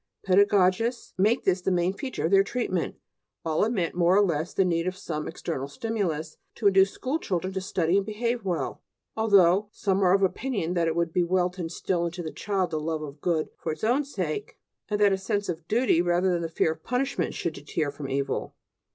Pedagogists make this the main feature of their treatment. All admit more or less the need of some external stimulus to induce school children to study and behave well, although some are of opinion that it would be well to instil into the child the love of good for its own sake, and that a sense of duty rather than the fear of punishment should deter from evil.